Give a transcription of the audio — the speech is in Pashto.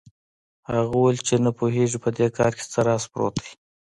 هغه وویل چې نه پوهېږي په دې کار کې څه راز پروت دی.